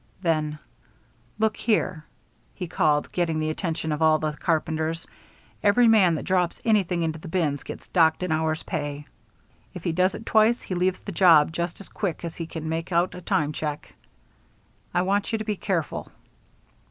Then: "Look here," he called, getting the attention of all the carpenters, "every man that drops anything into the bins gets docked an hour's pay. If he does it twice he leaves the job just as quick as we can make out a time check. I want you to be careful."